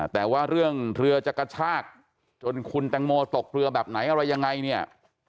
แต่ว่าเรื่องเรือจะกระชากจนคุณแตงโมตกเรือแบบไหนอะไรยังไงเนี่ย